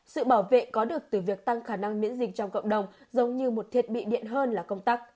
sự bảo vệ có được từ việc tăng khả năng miễn dịch trong cộng đồng giống như một thiết bị điện hơn là công tắc